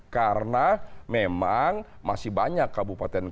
karena memang masih banyak kabupaten kota dan kota